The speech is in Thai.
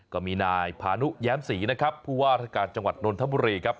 ก็มีนายพานุแย้มศรีนะครับผู้ว่าราชการจังหวัดนนทบุรีครับ